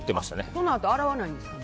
このあと洗わないんですか？